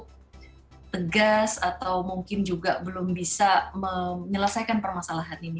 jadi saya yakin bahwa itu tegas atau mungkin juga belum bisa menyelesaikan permasalahan ini